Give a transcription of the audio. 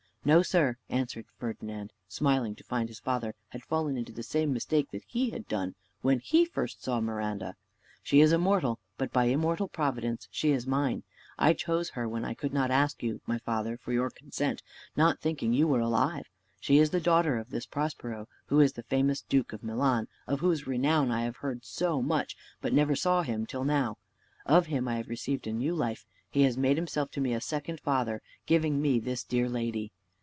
"No, sir," answered Ferdinand, smiling to find his father had fallen into the same mistake that he had done when he first saw Miranda, "she is a mortal, but by immortal Providence she is mine; I chose her when I could not ask you, my father, for your consent, not thinking you were alive. She is the daughter to this Prospero, who is the famous duke of Milan, of whose renown I have heard so much, but never saw him till now: of him I have received a new life: he has made himself to me a second father, giving me this dear lady."